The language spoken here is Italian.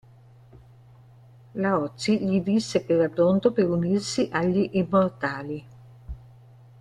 Laozi gli disse che era pronto per unirsi agli Immortali.